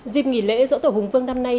dịp nghỉ lễ dõ tổ hùng vương năm nay